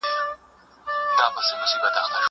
اوبه د زهشوم لخوا څښل کېږي!